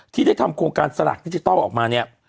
ที่ได้ทำโครงการสลากดิจิทัลออกมาเนี่ย